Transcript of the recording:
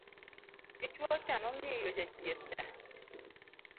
dichuo cha nong'iyo jachieth cha